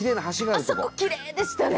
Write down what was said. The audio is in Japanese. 「あそこキレイでしたね！」